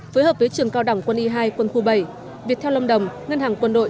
phối hợp với trường cao đẳng quân y hai quân khu bảy việt theo lâm đồng ngân hàng quân đội